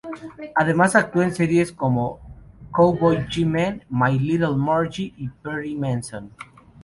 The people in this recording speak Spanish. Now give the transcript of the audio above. Además actuó en series como "Cowboy G-Men", "My Little Margie", y "Perry Mason".